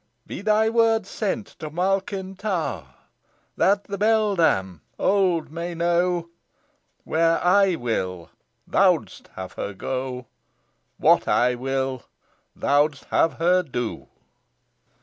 Be thy word sent to Malkin Tower, That the beldame old may know Where I will, thou'dst have her go What I will, thou'dst have her do!"